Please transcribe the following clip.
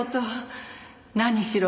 何しろ